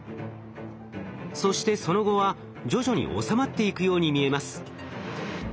そしてその後は徐々に収まっていくように見えます。